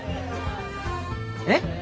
えっ？